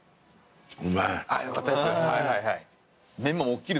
よかったです。